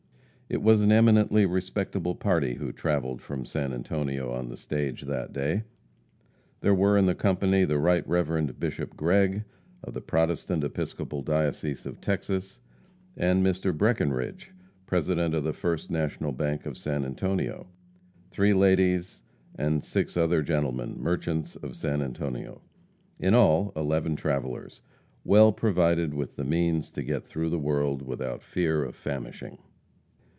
It was an eminently respectable party who travelled from San Antonio on the stage that day. There were in the company the Right Rev. Bishop Gregg, of the Protestant Episcopal Diocese of Texas, and Mr. Breckenridge, president of the First National Bank of San Antonio; three ladies, and six other gentlemen, merchants of San Antonio in all, eleven travellers, well provided with the means to get through the world without fear of famishing.